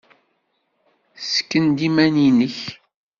Ssken-d iman-nnek.